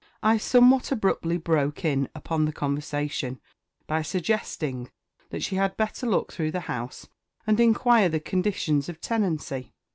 I somewhat abruptly broke in upon the conversation, by suggesting that she had better look through the house, and inquire the conditions of tenancy.